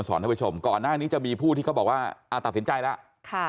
ก่อนหน้านี้จะมีผู้ที่เขาบอกว่าอ่าตัดสินใจแล้ว